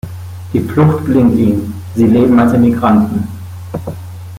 Die Flucht gelingt ihnen; sie leben als Emigranten.